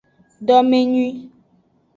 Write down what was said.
Domenyuie.